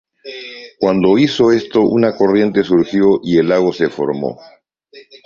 Cuando hizo esto, una corriente surgió y el lago se formó.